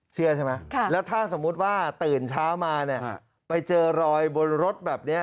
เชื่อใช่ไหมแล้วถ้าสมมุติว่าตื่นเช้ามาเนี่ยไปเจอรอยบนรถแบบนี้